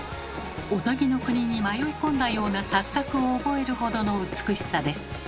おとぎの国に迷い込んだような錯覚を覚えるほどの美しさです。